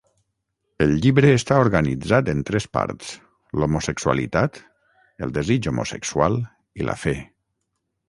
El llibre està organitzat en tres parts: l'homosexualitat, el desig homosexual i la fe.